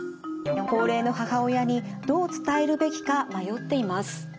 高齢の母親にどう伝えるべきか迷っています」。